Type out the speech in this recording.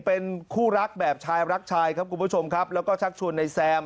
เป็นคู่รักแบบชายรักชายครับคุณผู้ชมครับแล้วก็ชักชวนในแซม